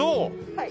はい。